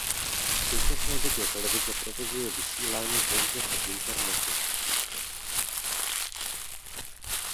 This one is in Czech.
V současné době televize provozuje vysílání pouze po internetu.